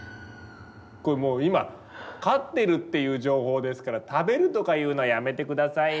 これもう今飼ってるっていう情報ですから食べるとか言うのはやめて下さいよ